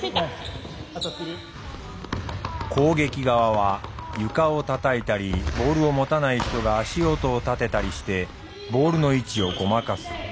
攻撃側は床をたたいたりボールを持たない人が足音を立てたりしてボールの位置をごまかす。